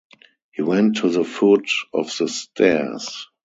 He went to the foot of the stairs.